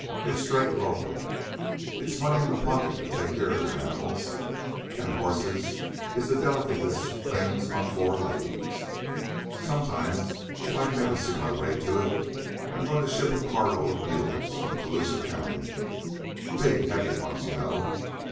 It's straight loco. It's money in pocket to take care of your animals, an' horses is the delicatest things on four legs. Some time, if I can ever see my way to it, I 'm goin' to ship a carload of mules from Colusa County big, heavy ones, you know.